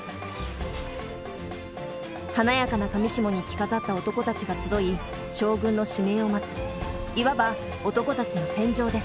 華やかな裃に着飾った男たちが集い将軍の指名を待ついわば男たちの戦場です。